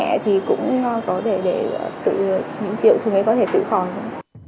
cũng có thể để những triệu chứng ấy có thể tự khỏi